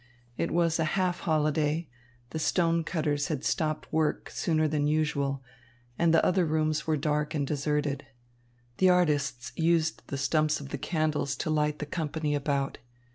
It was a half holiday, the stone cutters had stopped work sooner than usual, and the other rooms were dark and deserted. The artists used the stumps of the candles to light the company about.